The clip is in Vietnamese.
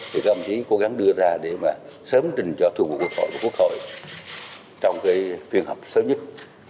thì các ông chỉ cố gắng đưa ra để sớm trình cho thủ ngục quốc hội và quốc hội trong phiên họp sớm nhất